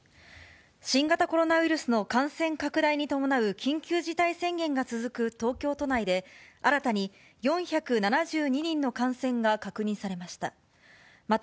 新型コロナウイルスの感染拡大に伴う緊急事態宣言が続く東京都内で、新たに４７２人の感染が確認されました。